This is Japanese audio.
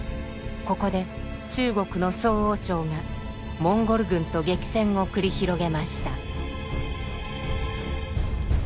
ここで中国の宋王朝がモンゴル軍と激戦を繰り広げました。